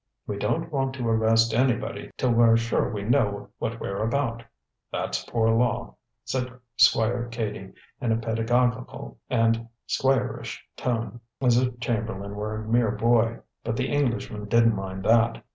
"We don't want to arrest anybody till we're sure we know what we're about that's poor law," said Squire Cady, in a pedagogical and squire ish tone, as if Chamberlain were a mere boy. But the Englishman didn't mind that.